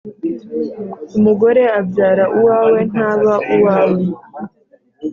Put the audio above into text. Umugore abyara uwawe ntaba uwawe.